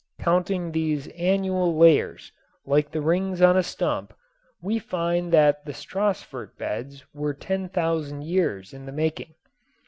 Counting these annual layers, like the rings on a stump, we find that the Stassfurt beds were ten thousand years in the making.